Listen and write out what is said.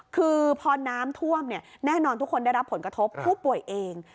คือพอน้ำท่วมแน่นอนทุกคนได้รับผลกระทบผู้ป่วยเอง